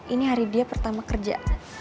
ini hari dia pertama kerja